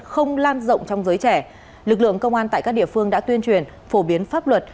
không lan rộng trong giới trẻ lực lượng công an tại các địa phương đã tuyên truyền phổ biến pháp luật